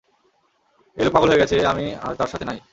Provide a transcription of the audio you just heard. এই লোক পাগল হয়ে গেছে, আমি আর তার সাথে নাই!